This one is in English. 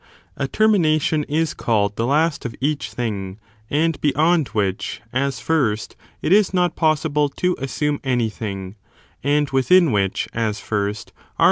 A TERMINATION is called the last of each thing, ^^^^^^^^ and beyond which, as first, it is not possible to ir'epas, or ter assume anything, and within which, as first, are JiSSed."'